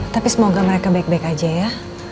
tapi semoga mereka baik baik aja ya